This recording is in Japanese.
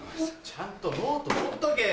ちゃんとノート取っとけ。